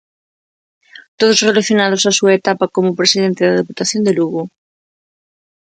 Todos relacionados á súa etapa como presidente da Deputación de Lugo.